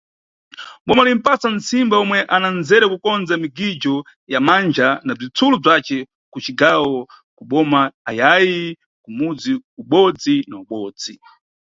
Boma limʼpasa ntsimba omwe ana ndzeru ya kukondza migijo ya manja na bzitsulo bzace ku cigawo, ku boma ayayi kumudzi ubodzi na ubodzi.